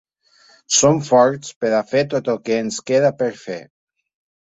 Som forts per a fer tot el que ens queda per fer.